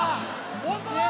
ホントだ！